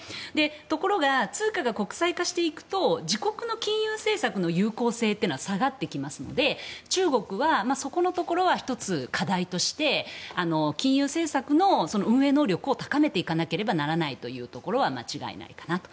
ところが通貨が国際化していくと自国の金融政策の有効性は下がってきますので中国はそこのところは１つ、課題として金融政策の運営能力を高めていかなければならないというのは間違いないかなと。